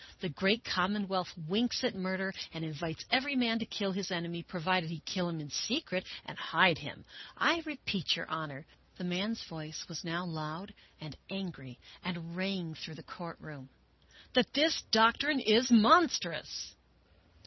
The great common wealth winks at murder and invites every man to kill his enemy, provided he kill him in secret and hide him. I re peat, your Honor," — the man's voice was now loud and angry and rang through the court room —" that this doc trine is monstrous!"